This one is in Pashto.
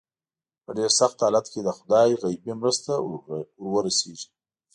په ډېر سخت حالت کې د خدای غیبي مرسته ور ورسېږي.